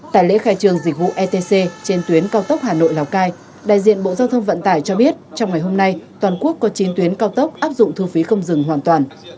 tại lễ khai trường dịch vụ etc trên tuyến cao tốc hà nội lào cai đại diện bộ giao thông vận tải cho biết trong ngày hôm nay toàn quốc có chín tuyến cao tốc áp dụng thu phí không dừng hoàn toàn